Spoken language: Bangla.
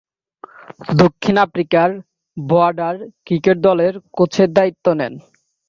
দক্ষিণ আফ্রিকার বর্ডার ক্রিকেট দলের কোচের দায়িত্ব নেন।